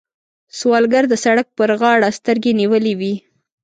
سوالګر د سړک پر غاړه سترګې نیولې وي